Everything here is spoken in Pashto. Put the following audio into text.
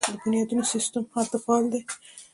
د بنیادونو سیستم هلته فعال دی.